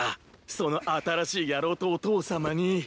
その新しい野郎とお父様に。